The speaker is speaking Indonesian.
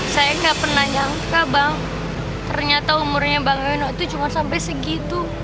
saya nggak pernah nyangka bang ternyata umurnya bang yono itu cuma sampai segitu